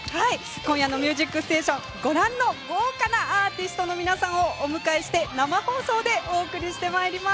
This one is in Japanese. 今夜の「ミュージックステーション」ご覧の豪華なアーティストの皆さんをお迎えして生放送でお送りしてまいります！